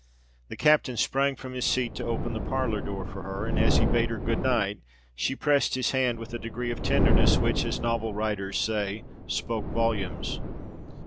The captain sprang from his seat to open the parlour door for her; and as he bade her "good night," she pressed his hand with a degree of tenderness which, as novel writers say, spoke volumes.